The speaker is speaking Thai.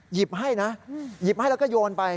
หยิบให้นะหยิบให้แล้วก็โยนไป